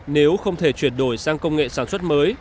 nếu không thể chuyển đổi sang công nghệ sản xuất mới